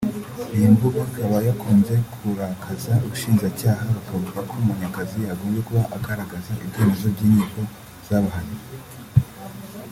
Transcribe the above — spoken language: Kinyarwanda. Iyi mvugo ikaba yakunze kurakaza ubushinjacyaha bukavuga ko Munyakazi yagombye kuba agaragaza ibyemezo by’inkiko zabahannye